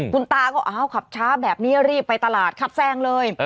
คุณตาก็อ้าวขับช้าแบบนี้รีบไปตลาดขับแซงเลย